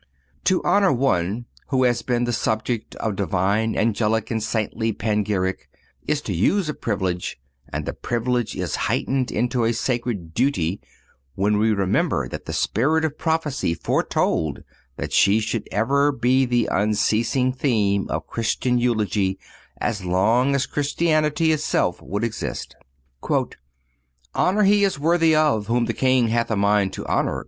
To honor one who has been the subject of divine, angelic and saintly panegyric is to use a privilege, and the privilege is heightened into a sacred duty when we remember that the spirit of prophecy foretold that she should ever be the unceasing theme of Christian eulogy as long as Christianity itself would exist. "Honor he is worthy of, whom the king hath a mind to honor."